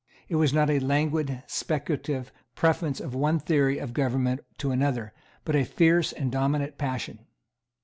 It was not a languid, speculative, preference of one theory of government to another, but a fierce and dominant passion.